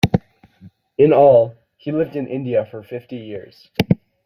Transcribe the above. In all he lived in India for fifty years.